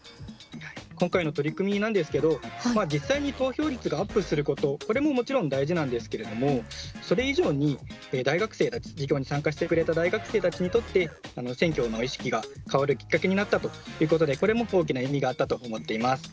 今回の取り組みなんですけど実際に投票率がアップすることこれももちろん大事なんですけれどもそれ以上に授業に参加してくれた大学生たちにとって選挙の意識が変わるきっかけになったということでこれも大きな意味があったと思っています。